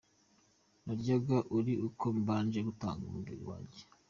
Naryaga ari uko mbanje gutanga umubiri wanjye.